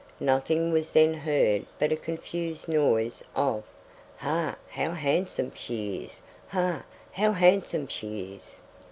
Nothing was then heard but a confused noise of: "Ha! how handsome she is! Ha! how handsome she is!"